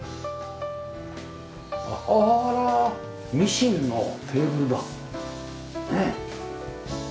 あらミシンのテーブルだ。ねえ。